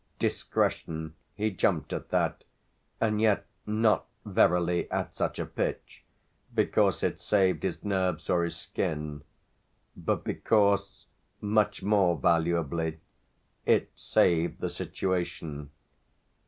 Discretion he jumped at that; and yet not, verily, at such a pitch, because it saved his nerves or his skin, but because, much more valuably, it saved the situation.